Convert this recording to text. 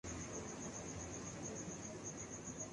جہاں مصباح کی قیادت میں